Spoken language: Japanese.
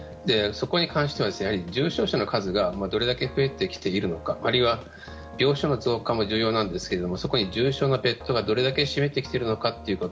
そこに関しては重症者の数がどれだけ増えてきているのかあるいは病床の増加も重要なんですがそこに重症のベッドがどれだけ占めてきているのか